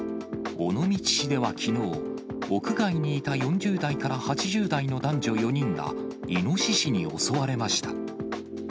尾道市ではきのう、屋外にいた４０代から８０代の男女４人が、イノシシに襲われました。